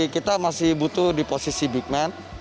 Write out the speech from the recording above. kita masih butuh di posisi big man